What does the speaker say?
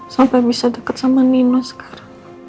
sampai bisa dekat sama nino sekarang